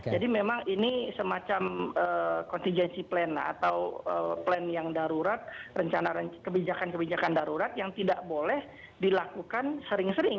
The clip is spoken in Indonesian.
jadi memang ini semacam contingency plan atau plan yang darurat rencana kebijakan kebijakan darurat yang tidak boleh dilakukan sering sering